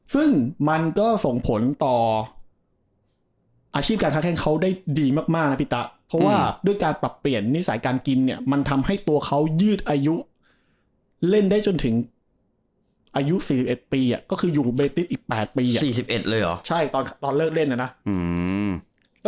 ซึ่งมันก็ส่งผลต่ออาชีพการค่าแข่งเขาได้ดีมากนะพี่ตะเพราะว่าด้วยการปรับเปลี่ยนนิสัยการกินเนี่ยมันทำให้ตัวเขายืดอายุเล่นได้จนถึงอายุ๔๑ปีก็คืออยู่กับเบรตติสอีก๘ปี๔๑เลยหรอใช่ตอนเลิกเล่นแล้วนะ